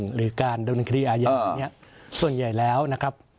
หรือการโดนคดีอายาอย่างนี้ส่วนใหญ่แล้วนะครับ